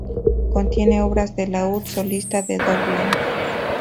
Contiene obras de laúd solista de Dowland.